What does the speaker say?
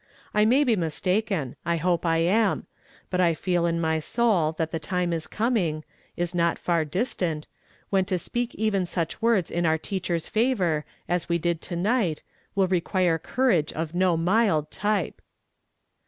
I may be mistaken; I hope I am; but I feel in my soul that the time is coming, is not far distant, when to speak even such words in our teacher's favor, as we did to night, will require courage of no mild type."